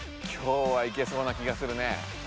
今日はいけそうな気がするね。